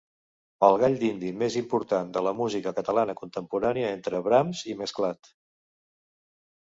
El gall dindi més important de la música catalana contemporània, entre Brams i Mesclat.